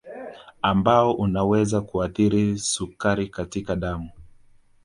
Ambao unaweza kuathiri sukari katika damu